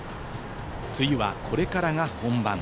梅雨はこれからが本番。